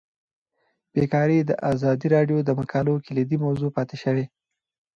بیکاري د ازادي راډیو د مقالو کلیدي موضوع پاتې شوی.